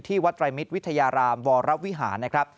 ที่วัดรายมิตรวิทยารามวรวิหา